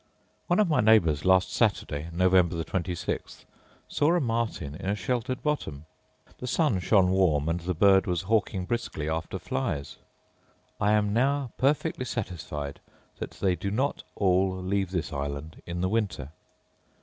One of my neighbours last Saturday, November the 26th, saw a martin in a sheltered bottom: the sun shone warm, and the bird was hawking briskly after flies. I am now perfectly satisfied that they do not all leave this island in the winter.